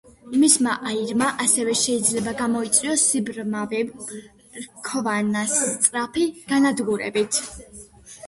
მისმა აირმა ასევე შეიძლება გამოიწვიოს, სიბრმავე რქოვანას სწრაფი განადგურებით.